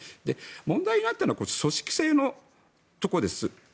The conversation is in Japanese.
問題があったのは組織性のところです。